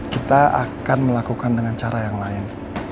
kita akan melakukan dengan cara yang lain